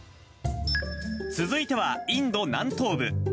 続いては、インド南東部。